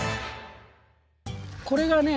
これがね